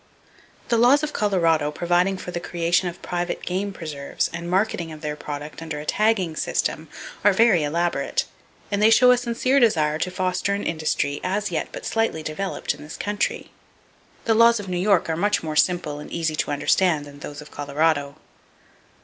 The laws of Colorado providing for the creation of private game preserves and the marketing of their product under a tagging system, are very elaborate, and they show a sincere desire to foster an industry as yet but slightly developed in this country. The laws of New York are much more simple and easy to understand than those of Colorado.